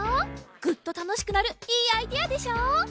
グッとたのしくなるいいアイデアでしょ！